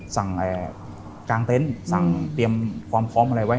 สั่งกลางเต็นต์สั่งเตรียมความพร้อมอะไรไว้